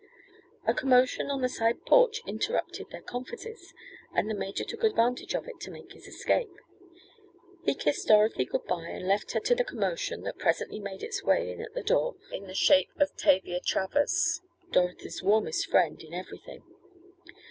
A commotion on the side porch interrupted their confidences, and the major took advantage of it to make his escape. He kissed Dorothy good bye, and left her to the "commotion" that presently made its way in at the door in the shape of Tavia Travers, Dorothy's warmest friend in every thing.